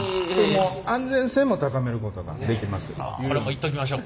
すごい！これもいっときましょう。